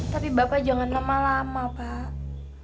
tapi bapak jangan lama lama pak